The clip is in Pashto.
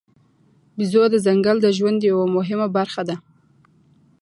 بیزو د ځنګل د ژوند یوه مهمه برخه ده.